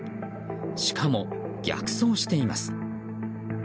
しかも逆走しています。